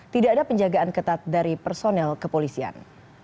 tidak ada penjagaan ketat dari personel kepolisian